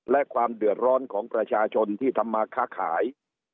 และความเดือดร้อนของประชาชนที่ทำมาค้าขาย